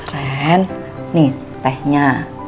ren nih tehnya